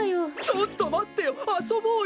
ちょっとまってよあそぼうよ。